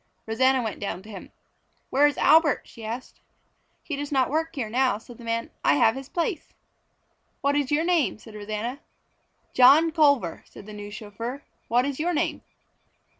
Rosanna went down to him. "Where is Albert?" she asked. "He does not work here now," said the man. "I have his place." "What is your name?" said Rosanna. "John Culver," said the new chauffeur. "What is your name?"